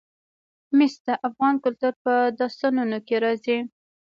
مس د افغان کلتور په داستانونو کې راځي.